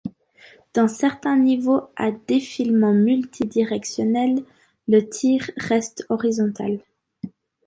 Dans certains niveaux à défilements multi-directionnels, le tir reste horizontal.